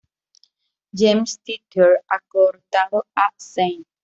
James Theatre"; acortado a "St.